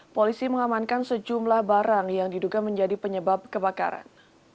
polisi mengamankan sejumlah barang yang diduga menjadi penyebab kebakaran